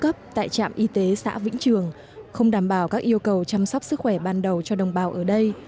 các trường hợp tại tràm y tế xã vĩnh trường không đảm bảo các yêu cầu chăm sóc sức khỏe ban đầu cho đồng bào ở đây